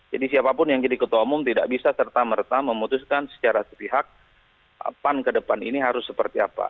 jadi siapapun yang jadi ketua umum tidak bisa serta merta memutuskan secara setihak pan ke depan ini harus seperti apa